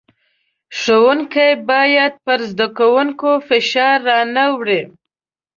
ښوونکی بايد پر زدکوونکو فشار را نۀ وړي.